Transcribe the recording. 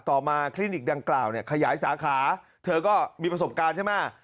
ต่อมาคลินิกดังกล่าวเนี่ยขยายสาขาเธอก็มีประสบการณ์ใช่ไหม